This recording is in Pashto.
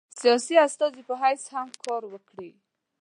سیاسي استازي په حیث هم کار وکړي.